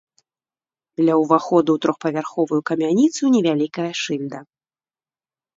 Ля ўваходу ў трохпавярховую камяніцу невялікая шыльда.